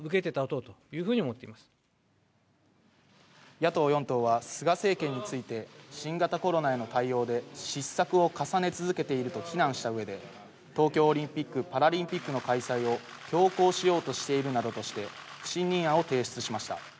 野党４党は菅政権について、新型コロナへの対応で失策を重ね続けていると非難した上で、東京オリンピック・パラリンピックの開催を強行しようとしているなどとして不信任案を提出しました。